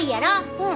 うん。